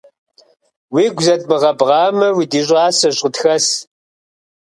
Уигу зэдмыгъэбгъамэ, удищӀасэщ, къытхэс.